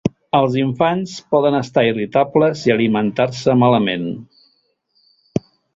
Els infants poden estar irritables i alimentar-se malament.